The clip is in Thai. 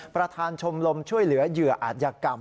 ประธานชมรมช่วยเหลือเหยื่ออาจยกรรม